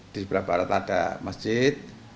di sebelah barat ada masjid